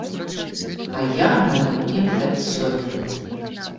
А я маю імпэт сёння.